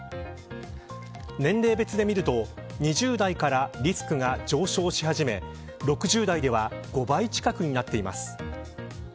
年齢別でみると２０代からリスクが上昇し始め６０代では５倍近くになっています。